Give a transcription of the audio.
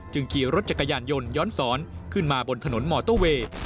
ขี่รถจักรยานยนต์ย้อนสอนขึ้นมาบนถนนมอเตอร์เวย์